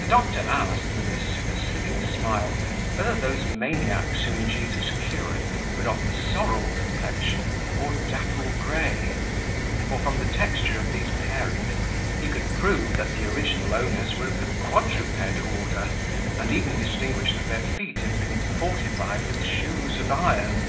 The doctor asked, with a supercilious smile, whether those maniacs whom Jesus cured were of the sorrel complexion, or dapple gray; for, from the texture of these parings, he could prove that the original owners were of the quadruped order, and even distinguish that their feet had been fortified with shoes of iron.